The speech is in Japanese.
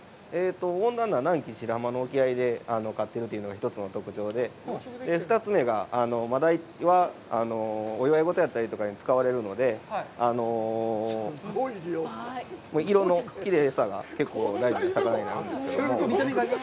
温暖な南紀白浜の沖合で飼ってるというのが１つの特徴で、２つ目が、真鯛は、お祝い事だったりとかに使えるので、色のきれいさが結構大事な魚になるんですけれども。